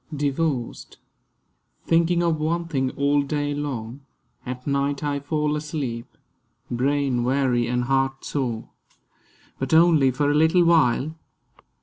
DIVORCED THINKING of one thing all day long, at night I fall asleep, brain weary and heart sore; But only for a little while.